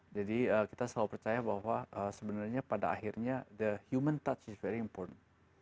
jadi kita selalu percaya bahwa sebenarnya pada akhirnya the human touch is very important